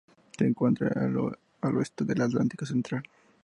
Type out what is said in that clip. Se encuentra al oeste del Atlántico central.